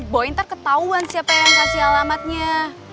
boy ntar ketahuan siapa yang kasih alamatnya